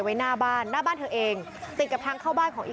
คนแบบนี้ก็ไม่รู้มึงว่ามันเป็นยังไง